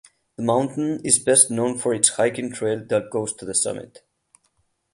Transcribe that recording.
The mountain is best known for its hiking trail that goes to the summit.